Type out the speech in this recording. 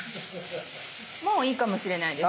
もういいかもしれないです。